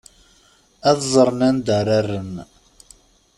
Ad ẓren anda ara rren.